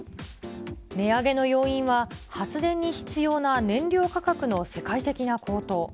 値上げの要因は、発電に必要な燃料価格の世界的な高騰。